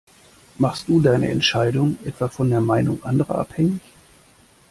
Machst du deine Entscheidung etwa von der Meinung anderer abhängig?